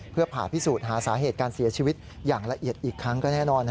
เพื่อผ่าพิสูจน์หาสาเหตุการเสียชีวิตอย่างละเอียดอีกครั้งก็แน่นอน